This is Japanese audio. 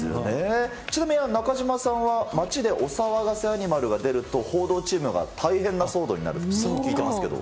ちなみに中島さんは、街でお騒がせアニマルが出ると、報道チームが大変な騒動になると聞いてますけど。